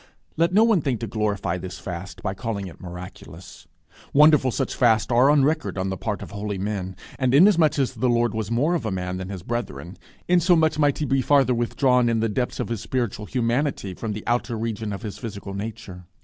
Let no one think to glorify this fast by calling it miraculous. Wonderful such fasts are on record on the part of holy men; and inasmuch as the Lord was more of a man than his brethren, insomuch might he be farther withdrawn in the depths of his spiritual humanity from the outer region of his physical nature.